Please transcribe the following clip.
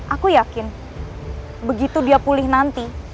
aku yakin begitu dia pulih nanti